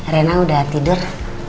reina udah tidur